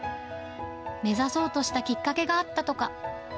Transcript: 目指そうとしたきっかけがあったとか。